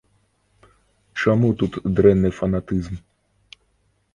Чаму тут дрэнны фанатызм?